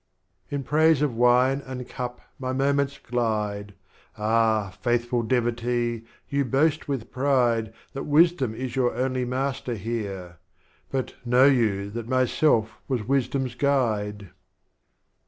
XVII. In Praise of Wine and Cup my Moments glide; — Ah, Faithful Devotee, You boast with pride, That Wisdom is your only Master here, — But know you, that mj^sclf was Wisdom's Guide.